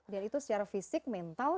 dan itu secara fisik mental